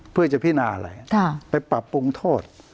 เพื่อจะพินาอะไรไปปรับปรุงโทษ